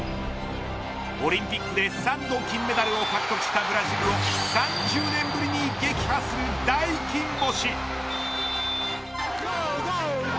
オリンピックで３度金メダルを獲得したブラジルを３０年ぶりに撃破する大金星。